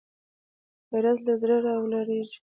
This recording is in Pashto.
غیرت له زړه راولاړېږي